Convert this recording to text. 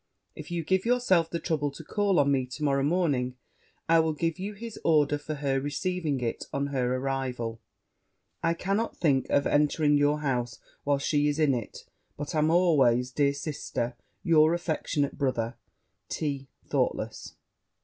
If you give yourself the trouble to call on me to morrow morning, I will give you his order for her receiving it on her arrival. I cannot think of entering your house while she is in it; but am always, dear sister, your affectionate brother, T. THOUGHTLESS.'